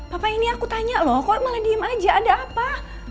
papa ini aku tanya loh kok malah diem aja ada apa